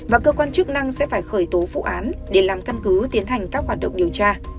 và cơ quan chức năng sẽ phải khởi tố vụ án để làm căn cứ tiến hành các hoạt động điều tra